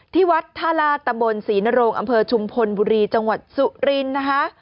ที่วัดท่าลาตะบนศรีนโรงอำเภอชุมพลบุรีจังหวัดสุรินทร์นะคะ